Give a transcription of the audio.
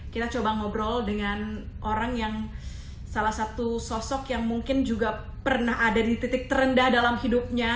kita coba ngobrol dengan orang yang salah satu sosok yang mungkin juga pernah ada di titik terendah dalam hidupnya